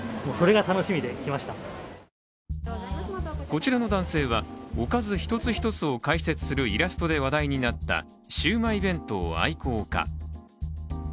こちらの男性は、おかず一つ一つを解説するイラストで話題になった、シウマイ弁当愛好家。